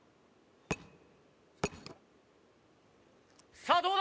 さあどうだ？